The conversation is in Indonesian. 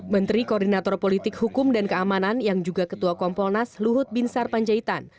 menteri koordinator politik hukum dan keamanan yang juga ketua kompolnas luhut bin sarpanjaitan